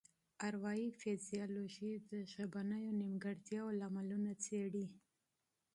اروايي فزیولوژي د ژبنیو نیمګړتیاوو لاملونه څیړي